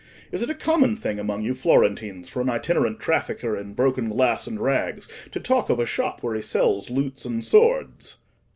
Is it a common thing among you Florentines for an itinerant trafficker in broken glass and rags to talk of a shop where he sells lutes and swords?"